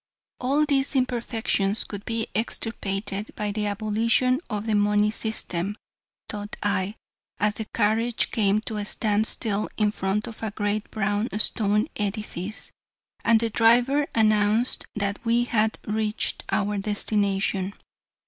All these imperfections could be extirpated by the abolition of the money system, thought I, as the carriage came to a standstill in front of a great brown stone edifice, and the driver announced that we had reached our destination.